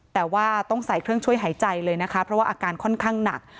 แต่ว่าต้องใส่เครื่องช่วยหายใจเลยนะคะเพราะว่าอาการค่อนข้างหนัก